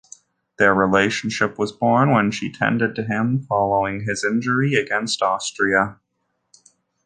Their relationship was born when she tended to him following his injury against Austria.